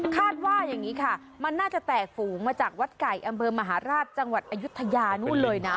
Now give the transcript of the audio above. ว่าอย่างนี้ค่ะมันน่าจะแตกฝูงมาจากวัดไก่อำเภอมหาราชจังหวัดอายุทยานู่นเลยนะ